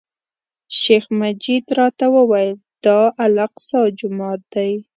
شیخ مجید راته وویل، دا الاقصی جومات دی.